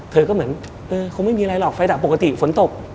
เธอก็เหมือนเออคงไม่มีอะไรหรอกไฟดับปกติฝนตก